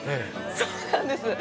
そうなんです。